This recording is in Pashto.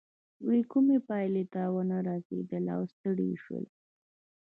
دوی کومې پايلې ته ونه رسېدل او ستړي شول.